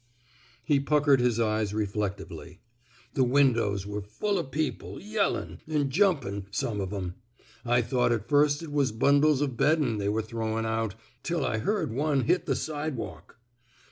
*' He puckered his eyes reflectively. The windows were full o' people — yellin' — an' jumpin', some o' them. I thought at first it was bundles o' beddin' they were throwin' out — till I heard one hit the sidewalk.